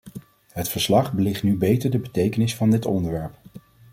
Het verslag belicht nu beter de betekenis van dit onderwerp.